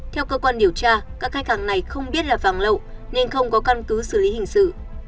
theo cơ quan điều tra các khách hàng này không biết là vàng lậu nên không có căn cứ xử lý hình sự